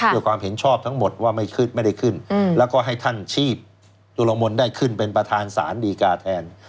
ความเห็นชอบทั้งหมดว่าไม่ขึ้นไม่ได้ขึ้นแล้วก็ให้ท่านชีพจุลมนต์ได้ขึ้นเป็นประธานศาลดีกาแทน